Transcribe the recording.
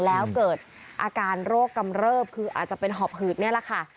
แล้วเกิดอาการโรคกำเริบคืออาจจะเป็นหอบหืดนี่แหละค่ะ